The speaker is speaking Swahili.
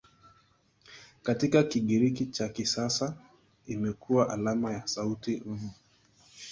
Katika Kigiriki cha kisasa imekuwa alama ya sauti "V".